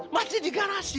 masih di garasi